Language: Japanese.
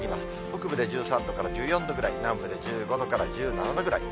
北部で１３度から１４度ぐらい、南部で１５度から１７度ぐらい。